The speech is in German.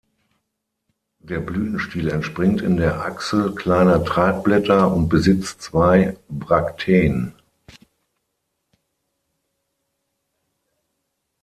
Der Blütenstiel entspringt in der Achsel kleiner Tragblätter und besitzt zwei Brakteen.